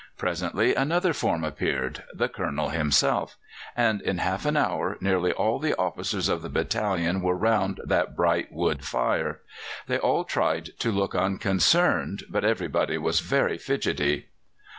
Presently another form appeared the Colonel himself and in half an hour nearly all the officers of the battalion were round that bright wood fire. They all tried to look unconcerned, but everybody was very fidgety.